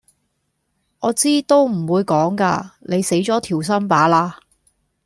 我知都唔會講㗎⋯你死左條心罷啦～